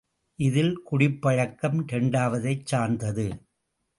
இதில் குடிப்பழக்கம் இரண்டாவதைச் சார்ந்தது.